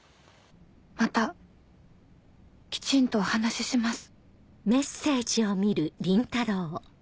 またきちんとお話しします」。